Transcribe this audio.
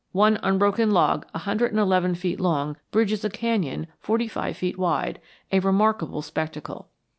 One unbroken log a hundred and eleven feet long bridges a canyon forty five feet wide, a remarkable spectacle.